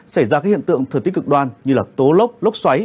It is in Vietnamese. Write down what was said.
xảy ra các hiện tượng thứ tích cực đoan như là tố lốc lốc xoáy